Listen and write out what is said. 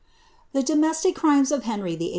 The domestic crimes of Henry VI II.